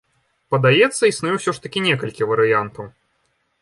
Падаецца, існуе ўсё ж такі некалькі варыянтаў.